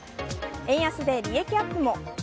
円安で利益アップも。